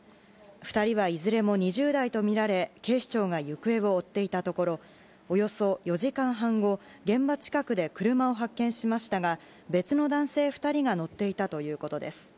２人はいずれも２０代と見られ、警視庁が行方を追っていたところ、およそ４時間半後、現場近くで車を発見しましたが、別の男性２人が乗っていたということです。